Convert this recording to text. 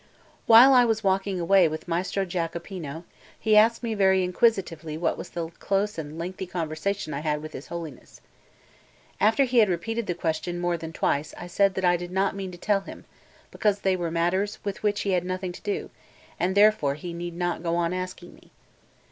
While I was walking away with Maestro Giacopino, he asked me very inquisitively what was the close and lengthy conversation I had had with his Holiness. After he had repeated the question more than twice, I said that I did not mean to tell him, because they were matters with which he had nothing to do, and therefore he need not go on asking me.